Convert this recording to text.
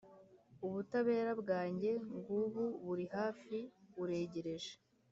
ubutabera bwanjye ngubu buri hafi, buregereje,